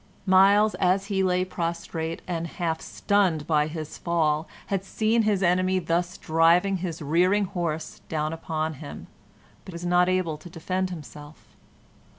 Myles, as he lay prostrate and half stunned by his fall, had seen his enemy thus driving his rearing horse down upon him, but was not able to defend himself.